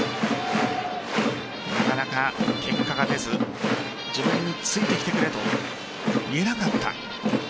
なかなか結果が出ず自分についてきてくれと言えなかった。